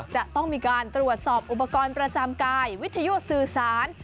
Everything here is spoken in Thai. จะต้องมีการตรวจสอบอุปกรณ์ประจำกายวิทยุสื่อสาร